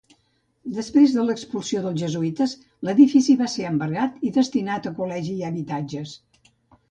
Després de l'expulsió dels jesuïtes, l'edifici va ser embargat i destinat a col·legi i habitatges.